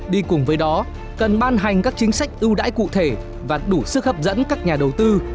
đi cùng với đó cần ban hành các chính sách ưu đãi cụ thể và đủ sức hấp dẫn các nhà đầu tư